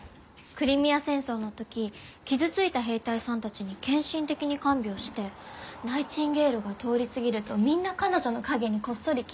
クリミア戦争の時傷ついた兵隊さんたちに献身的に看病してナイチンゲールが通り過ぎるとみんな彼女の影にこっそりキスしたって。